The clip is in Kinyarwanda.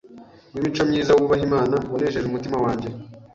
w’imico myiza wubaha Imana, wanejeje umutima wanjye